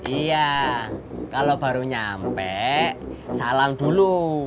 iya kalau baru nyampe salang dulu